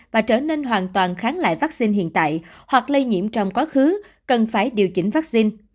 và trở nên hoàn toàn kháng lại vaccine hiện tại hoặc lây nhiễm trong quá khứ cần phải điều chỉnh vaccine